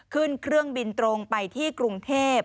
ขึ้นเครื่องบินตรงไปที่กรุงเทพ